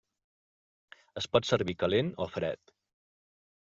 Es pot servir calent o fred.